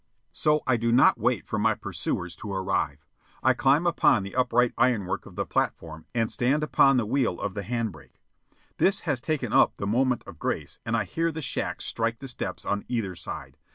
So I do not wait for my pursuers to arrive. I climb upon the upright ironwork of the platform and stand upon the wheel of the hand brake. This has taken up the moment of grace and I hear the shacks strike the steps on either side.